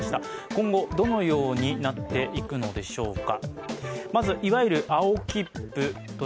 今後、どのようになっていくのでしょうか。